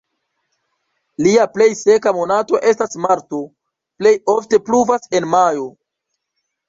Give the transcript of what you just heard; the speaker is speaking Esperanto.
Lia plej seka monato estas marto, plej ofte pluvas en majo.